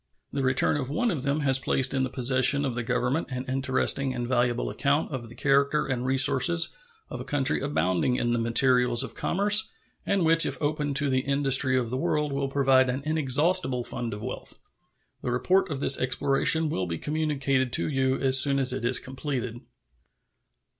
The return of one of them has placed in the possession of the Government an interesting and valuable account of the character and resources of a country abounding in the materials of commerce, and which if opened to the industry of the world will prove an inexhaustible fund of wealth. The report of this exploration will be communicated to you as soon as it is completed.